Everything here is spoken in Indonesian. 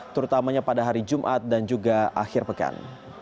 terutamanya pada hari jumat dan juga akhir pekan